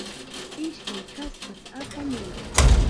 Ishkay kaspata apamuy.